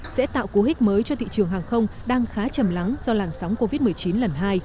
sẽ tạo cú hích mới cho thị trường hàng không đang khá chầm lắng do làn sóng covid một mươi chín lần hai